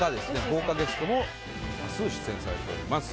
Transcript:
豪華ゲストも多数出演されております。